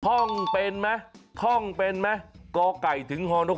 ท่องเป็นไหมกไก่ถึงฮนหุก